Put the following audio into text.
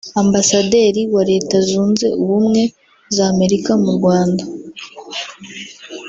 Ambasaderi wa Leta Zunze Ubumwe z’Amerika mu Rwanda